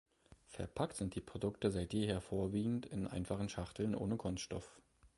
Verpackt sind die Produkte seit jeher vorwiegend in einfachen Schachteln ohne Kunststoff.